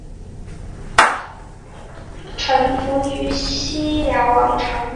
伊犁的葛逻禄部即臣服于西辽王朝。